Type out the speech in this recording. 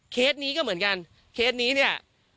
นี้ก็เหมือนกันเคสนี้เนี่ย